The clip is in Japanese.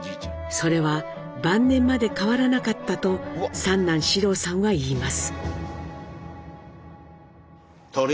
それは晩年まで変わらなかったと三男・志朗さんは言います。